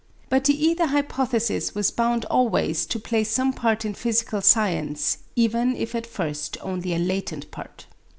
But the ether hypothesis was bound always to play some part in physical science, even if at first only a latent part.